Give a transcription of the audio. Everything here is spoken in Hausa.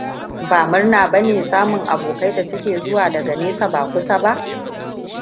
Ba murna bane samun abokai da suke zuwa daga nesa ba kusa ba?